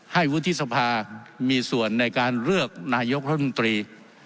วุฒิสภามีส่วนในการเลือกนายกรัฐมนตรี